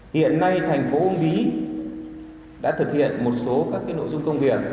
hiện nay tp ung bí đã thực hiện một số các nội dung công việc